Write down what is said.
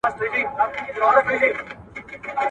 هیوادونه به انفرادي حقونه خوندي کړي.